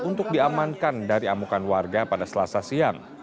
untuk diamankan dari amukan warga pada selasa siang